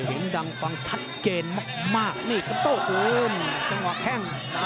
เห็นดังความชัดเจนมากนี่ก็โต้อุ้มจังหวะแข้ง